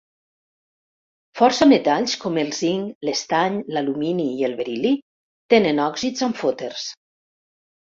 Força metalls, com el zinc, l'estany, l'alumini i el beril·li, tenen òxids amfòters.